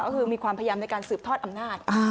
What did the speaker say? ก็คือมีความพยายามในการสืบทอดอำนาจ